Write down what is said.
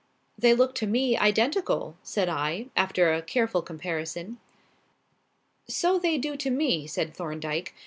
"They look to me identical," said I, after a careful comparison. "So they do to me," said Thorndyke.